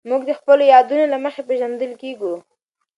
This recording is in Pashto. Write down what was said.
موږ د خپلو یادونو له مخې پېژندل کېږو.